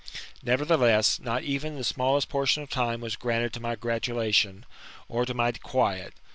Nevertheless, not even the smallest portion of time was granted to my gratulation, or to my quiet.